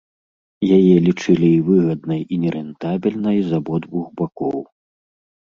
Яе лічылі і выгаднай і нерэнтабельнай з абодвух бакоў.